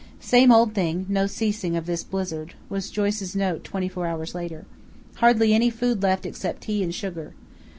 "Same old thing, no ceasing of this blizzard," was Joyce's note twenty four hours later. "Hardly any food left except tea and sugar.